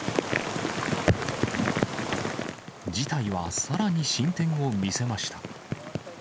事態はさらに進展を見せました。